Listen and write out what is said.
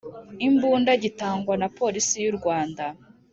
Imbunda gitangwa na polisi y u rwanda